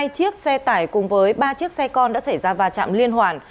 hai chiếc xe tải cùng với ba chiếc xe con đã xảy ra va chạm liên hoàn